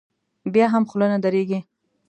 بیا هم خوله نه درېږي.